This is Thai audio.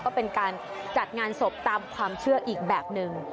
ก็เป็นการจัดงานศพตามความเชื่ออีกแบบหนึ่ง